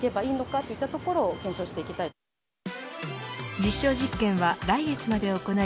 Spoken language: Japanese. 実証実験は来月まで行い